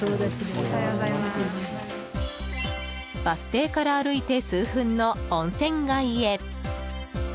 バス停から歩いて数分の温泉街へ。